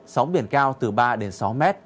sóng biển cao từ ba đến sáu mét